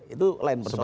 itu lain persoalan